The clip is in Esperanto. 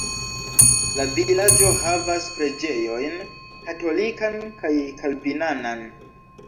La vilaĝo havas preĝejojn katolikan kaj kalvinanan.